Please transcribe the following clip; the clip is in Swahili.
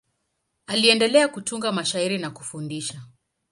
Aliendelea kutunga mashairi na kufundisha.